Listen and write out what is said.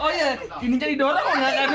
oh ya ini jadi dorong